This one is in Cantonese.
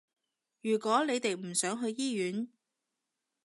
如果你哋唔想去醫院